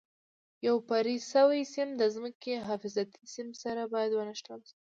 یو پرې شوی سیم د ځمکې حفاظتي سیم سره باید ونښلول شي.